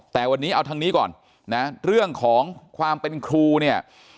แต่วันนี้เอาทางนี้ก่อนนะเรื่องของความเป็นครูเนี่ย